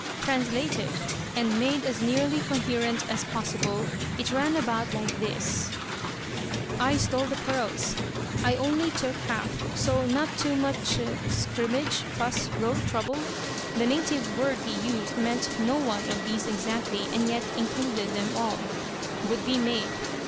Translated, and made as nearly coherent as possible, it ran about like this: "I stole the pearls. I only took half, so not too much" (scrimmage, fuss, row, trouble, the native word he used meant no one of these exactly, and yet included them all) "would be made.